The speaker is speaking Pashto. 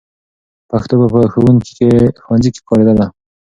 پښتو به په ښوونځي کې کارېدله.